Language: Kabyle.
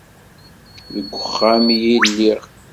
Deg uxxam i lliɣ.